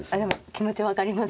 気持ち分かります。